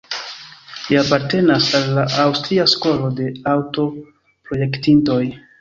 Li apartenas al la Aŭstria skolo de aŭto-projektintoj.